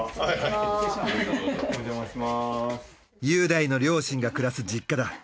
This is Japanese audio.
雄大の両親が暮らす実家だ。